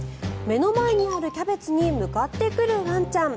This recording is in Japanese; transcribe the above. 目の前にあるキャベツに向かってくるワンちゃん。